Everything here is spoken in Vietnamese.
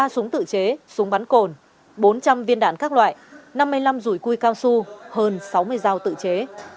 ba súng tự chế súng bắn cồn bốn trăm linh viên đạn các loại năm mươi năm rùi cui cao su hơn sáu mươi dao tự chế